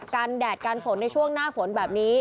แดดกันฝนในช่วงหน้าฝนแบบนี้